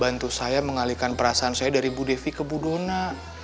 bantu saya mengalihkan perasaan saya dari bu devi ke bu dona